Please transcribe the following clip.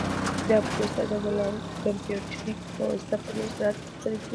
دا پروسه د کلاوډ کمپیوټینګ په واسطه په ډېر سرعت ترسره کیږي.